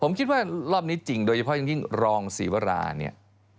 ผมคิดว่ารอบนี้จริงโดยเฉพาะอย่างยิ่งรองศรีวราเนี่ย